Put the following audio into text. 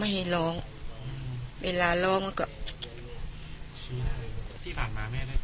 ตอนนี้มันร้องไหม